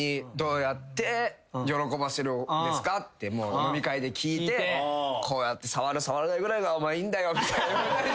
それから。飲み会で聞いてこうやって触る触らないぐらいがいいんだよみたいな。